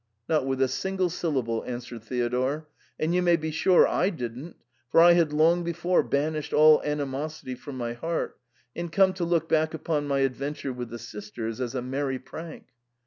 " Not with a single syllable," answered Theodore, " and you may be sure I didn't, for I had long before banished all ani mosity from my heart, and come to look back upon my adventure with the sisters as a merry prank.